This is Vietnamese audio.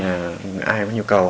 ai có nhu cầu